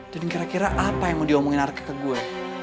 dan kira kira apa yang mau diomongin arka ke gue